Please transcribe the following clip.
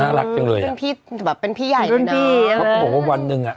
น่ารักจังเลยอ่ะแบบเป็นพี่ใหญ่เลยนะเพราะผมว่าวันหนึ่งอ่ะ